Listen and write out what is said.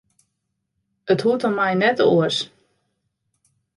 It hoecht om my net oars.